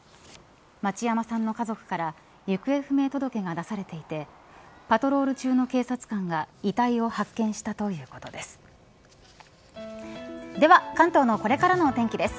待山さんの家族から行方不明届が出されていてパトロール中の警察官が遺体を発見したということです。